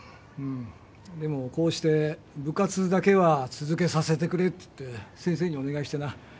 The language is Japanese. うんでもこうして部活だけは続けさせてくれつって先生にお願いしてな。